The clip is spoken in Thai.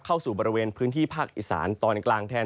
เข้าสู่บริเวณพื้นที่ภาคอีสานตอนกลางแทน